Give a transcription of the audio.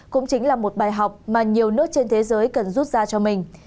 cũng chính là một bài học mà nhiều nước trên thế giới cần rút ra cho mình